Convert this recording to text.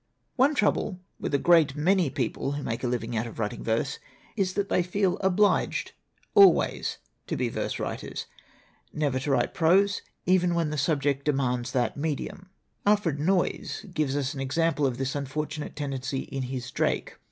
"One trouble with a great many people who make a living out of writing verse is that they feel obliged always to be verse writers, never to write prose, even when the subject demands that medium. Alfred Noyes gives us an example of this unfortunate tendency in his Drake.